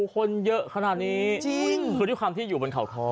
คนเยอะขนาดนี้จริงคือที่ความที่อยู่บนข่าวท้อ